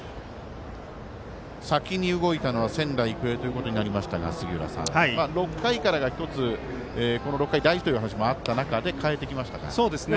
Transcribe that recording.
先に動いたのは仙台育英ということになりましたが６回からが１つ大事という話があった中で代えてきましたが。